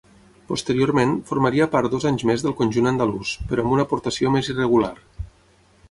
Posteriorment, formaria part dos anys més del conjunt andalús, però amb una aportació més irregular.